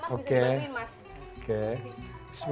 oke kita angkat sekarang ya mas bisa dibantuin mas